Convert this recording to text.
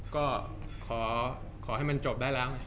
ก็ขอให้มันจบได้แล้วไง